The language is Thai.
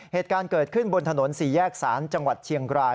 เหตุการณ์เกิดขึ้นบนถนน๔แยกศาลจังหวัดเชียงราย